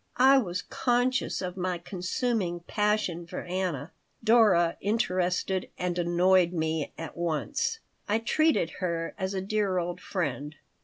I was conscious of my consuming passion for Anna. Dora interested and annoyed me at once I treated her as a dear old friend.